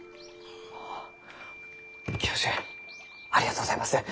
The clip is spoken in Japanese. あ教授ありがとうございます。